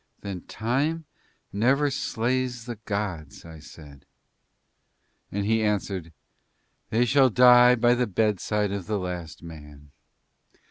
'" "Then shall Time never slay the gods," I said. And he answered, "They shall die by the bedside of the last man.